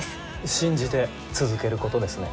信じて続けることですね。